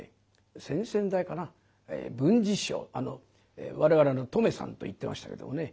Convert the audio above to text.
先々代かな文治師匠我々留さんと言ってましたけどもね。